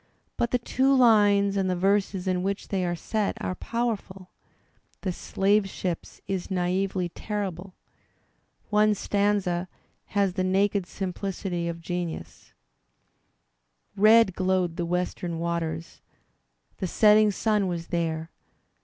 But the two lines and the verses in which they are set are powerful. "The Slave Ships" is naively terrible. One stanza has the naked simplicity of genius: Red glowed the western waters — The setting sun was there.